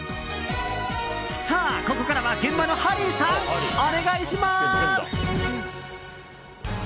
さあ、ここからは現場のハリーさんお願いします！